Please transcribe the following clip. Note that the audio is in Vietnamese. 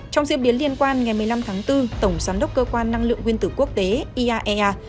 trong diễn biến liên quan ngày một mươi năm tháng bốn tổng giám đốc cơ quan năng lượng nguyên tử quốc tế iaea